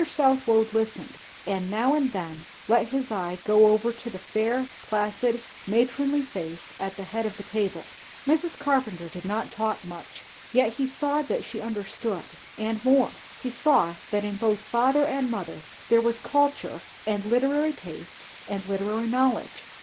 Southwode listened, and now and then let his eye go over to the fair, placid, matronly face at the head of the table. Mrs. Carpenter did not talk much; yet he saw that she understood. And more; he saw that in both father and mother there was culture and literary taste and literary knowledge.